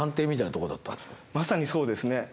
まさにそうですね。